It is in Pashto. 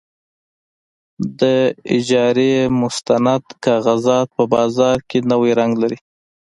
د اجارې مستند کاغذات په بازار کې نوی رنګ لري.